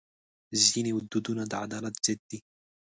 ځینې دودونه د عدالت ضد دي.